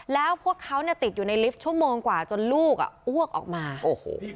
แล้วพวกเขาเนี่ยติดอยู่ในลิฟต์ชั่วโมงกว่าจนลูกอ่ะอ้วกออกมาโอ้โห